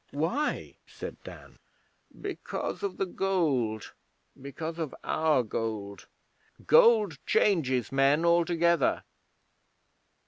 'Why?' said Dan. 'Because of the gold because of our gold. Gold changes men altogether.